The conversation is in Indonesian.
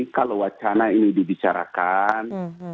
kalau wacana ini dibicarakan